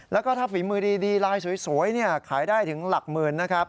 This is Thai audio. แล้วก็ถ้าฝีมือดีลายสวยขายได้ถึงหลักหมื่นนะครับ